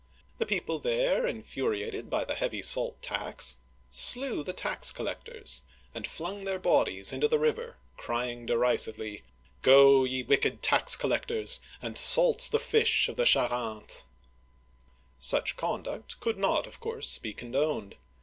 The people there, infuriated by the heavy salt tax, slew the tax collectors, and flung their bodies into the uigiTizea Dy vjiOOQlC 246 OLD FRANCE river, crying derisively, Go, ye wicked tax collectors, and salt the fish of the Charente !" Such conduct could not, of course, be condoned.